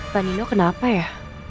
pak nino kenapa ya